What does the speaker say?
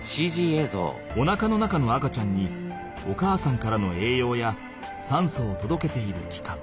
おなかの中の赤ちゃんにお母さんからのえいようやさんそをとどけているきかん。